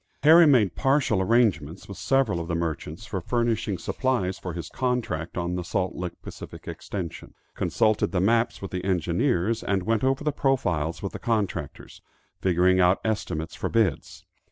Harry made partial arrangements with several of the merchants for furnishing supplies for his contract on the Salt Lick Pacific Extension; consulted the maps with the engineers, and went over the profiles with the contractors, figuring out estimates for bids.